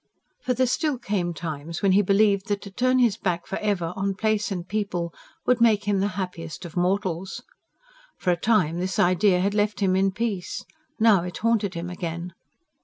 For there still came times when he believed that to turn his back for ever, on place and people, would make him the happiest of mortals. For a time this idea had left him in peace. Now it haunted him again.